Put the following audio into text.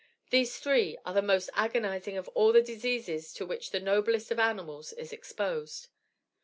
These three are the most agonizing of all the diseases to which the noblest of animals is exposed.